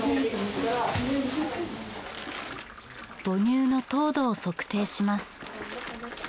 母乳の糖度を測定します。